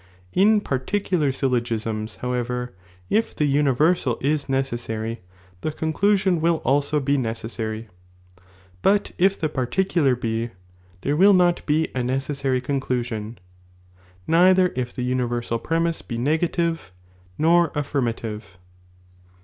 In particular ayllogisras, however, nom™? ^^| if the universal is necessary, the conclusion will ^^ also be necessary, but if the particular be, there will not be a ■■ necessary conclusion, neither if the universal premise be nega tive nor affirmative.